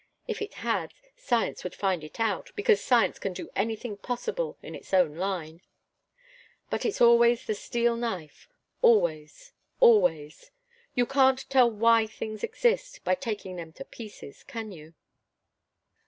If it had, science would find it out, because science can do anything possible in its own line. But it's always the steel knife always, always. You can't tell why things exist, by taking them to pieces, can you?"